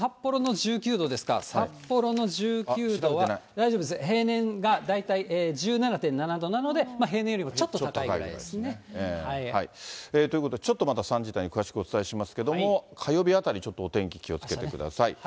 大丈夫です、平年が大体１７．７度なので、平年よりもちょっとということで、ちょっとまた３時台に詳しくお伝えしますけれども、火曜日あたり、ちょっとお天気気をつけてください。